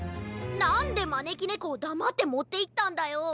なんでまねきねこをだまってもっていったんだよ。